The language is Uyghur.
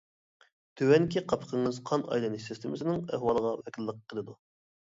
تۆۋەنكى قاپىقىڭىز قان ئايلىنىش سىستېمىسىنىڭ ئەھۋالىغا ۋەكىللىك قىلىدۇ.